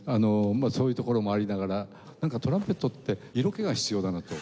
まあそういうところもありながらなんかトランペットって色気が必要だなと。